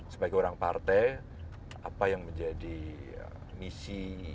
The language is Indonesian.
sebagai orang partai apa yang menjadi misi